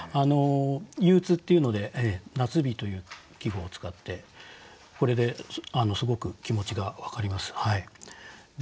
憂鬱っていうので「夏日」という季語を使ってこれですごく気持ちが分かりますはい。